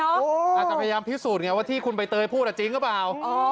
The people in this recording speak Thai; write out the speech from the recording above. อาจจะพยายามพิสูจน์ไงว่าที่คุณใบเตยพูดจริงหรือเปล่า